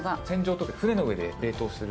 凍結船の上で冷凍する。